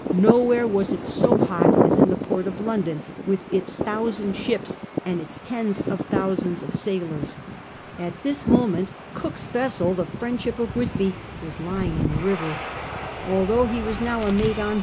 Nowhere was it so hot as in the port of London, with its thousand ships and its tens of thousands of sailors. At this moment (Jook's vessel, the Fiieiulship of Whitby, was lying in the river. Although he was now a mate on 26 CAPTAIN COON CHAP.